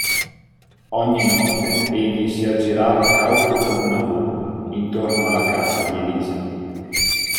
Ogni notte egli si aggirava cauto come una volpe intorno alla casa di Elisa.